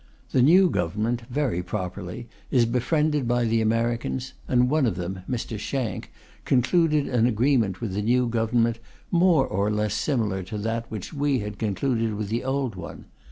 The new Government, very properly, is befriended by the Americans, and one of them, Mr. Shank, concluded an agreement with the new Government more or less similar to that which we had concluded with the old one.